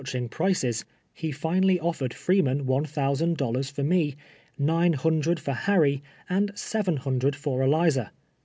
85 toncliinpf prices, lie finally offered Freeman one thou sand dollars for me, nine Imndred for Ilany, and sev en hundred for Eliza.